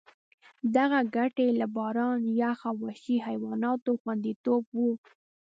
دغه ګټې له باران، یخ او وحشي حیواناتو خوندیتوب وو.